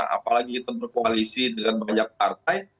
apalagi kita berkoalisi dengan banyak partai